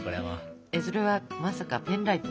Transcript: それはまさかペンライト？